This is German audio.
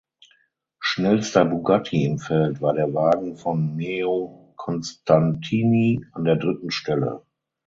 Schnellster Bugatti im Feld war der Wagen von Meo Constantini an der dritten Stelle.